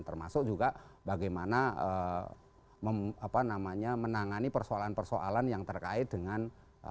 termasuk juga bagaimana apa namanya menangani persoalan persoalan yang terkait dengan kebangsaan